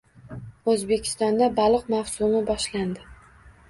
O‘zbekistonda baliq mavsumi boshlandi